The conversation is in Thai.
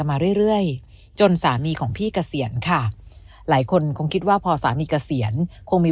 มาเรื่อยจนสามีของพี่เกษียณค่ะหลายคนคงคิดว่าพอสามีเกษียณคงมี